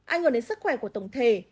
anh hồn đến sức khỏe của tổng thể